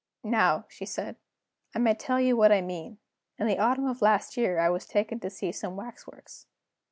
"Now," she said, "I may tell you what I mean. In the autumn of last year I was taken to see some waxworks.